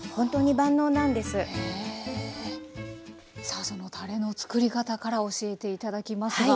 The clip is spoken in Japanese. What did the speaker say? さあそのたれの作り方から教えて頂きますが。